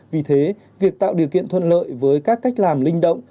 vì thế việc tạo điều kiện thuận lợi với các cách làm linh động